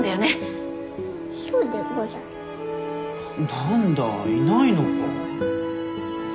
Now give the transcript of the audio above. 何だいないのか。